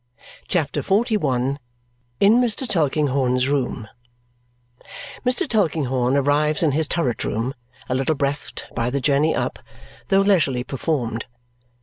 CHAPTER XLI In Mr. Tulkinghorn's Room Mr. Tulkinghorn arrives in his turret room a little breathed by the journey up, though leisurely performed.